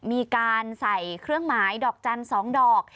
มีการใส่เครื่องหมายดอกจันทร์๒ดอก